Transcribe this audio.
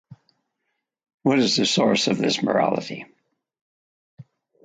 What is the source of this morality?